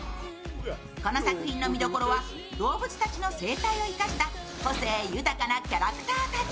この作品の見どころは、動物たちの生態を生かした個性豊かなキャラクターたち。